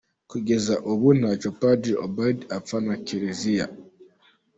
Kugeza ubu ntacyo Padiri Ubald apfa na Kiliziya.